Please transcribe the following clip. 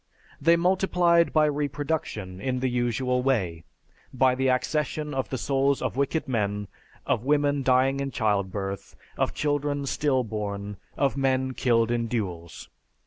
They multiplied by reproduction in the usual way, by the accession of the souls of wicked men, of women dying in childbirth, of children still born, of men killed in duels.